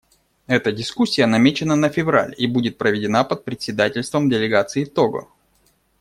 Эта дискуссия намечена на февраль и будет проведена под председательством делегации Того.